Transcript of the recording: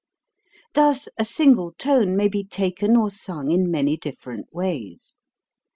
Thus a single tone may be taken or sung in many different ways.